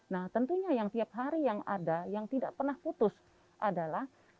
nah tentunya yang tiap hari yang ada yang tidak pernah putus adalah